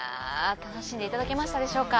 楽しんでいただけましたでしょうか？